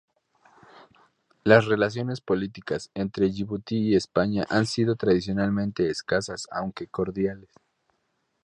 Las relaciones políticas entre Yibuti y España han sido tradicionalmente escasas aunque cordiales.